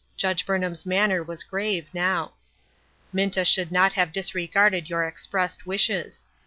Judge Burnham's manner was grave now. " Minta should not have disregarded your expressed wishes.